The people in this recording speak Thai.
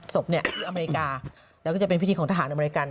ศพที่อเมริกาแล้วก็จะเป็นพิธีของทหารอเมริกัน